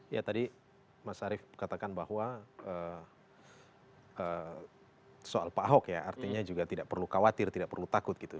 ya tadi mas arief katakan bahwa soal pak ahok ya artinya juga tidak perlu khawatir tidak perlu takut gitu